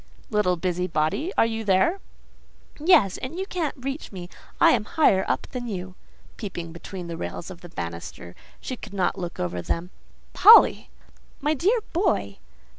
"Little busybody! Are you there?" "Yes—and you can't reach me: I am higher up than you" (peeping between the rails of the banister; she could not look over them). "Polly!" "My dear boy!"